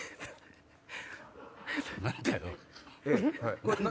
何だよ！